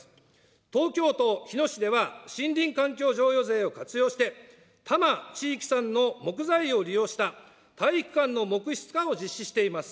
東京都日野市では、森林環境譲与税を活用して、多摩地域産の木材を利用した体育館の木質化を実施しています。